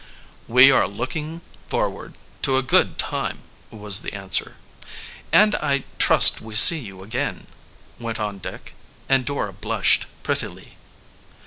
"We are looking forward to a good time,"' was the answer. "And I trust we see you again," went on Dick; and Dora blushed prettily.